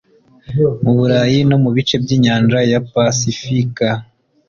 mu Burayi no mu bice by'inyanja ya Pasifika